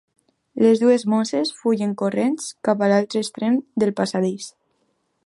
Les dues mosses fugen corrents cap a l'altre extrem del passadís.